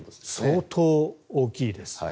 相当大きいです。